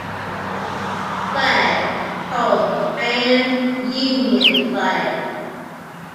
Flag, called the Grand Union Flag.